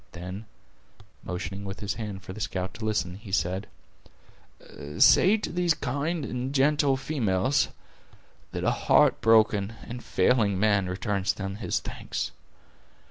Then, motioning with his hand for the scout to listen, he said: "Say to these kind and gentle females, that a heart broken and failing man returns them his thanks.